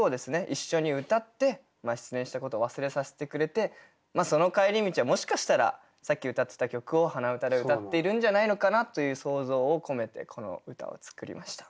一緒に歌って失恋したことを忘れさせてくれてその帰り道はもしかしたらさっき歌ってた曲を鼻歌で歌っているんじゃないのかなという想像を込めてこの歌を作りました。